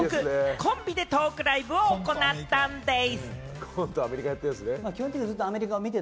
コンビでトークライブを行ったんでぃす。